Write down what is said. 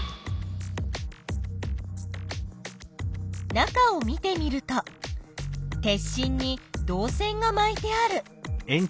中を見てみると鉄しんに導線がまいてある。